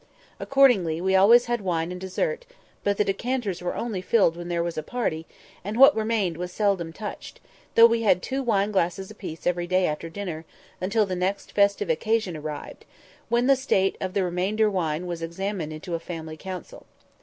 Accordingly, we had always wine and dessert; but the decanters were only filled when there was a party, and what remained was seldom touched, though we had two wine glasses apiece every day after dinner, until the next festive occasion arrived, when the state of the remainder wine was examined into in a family council.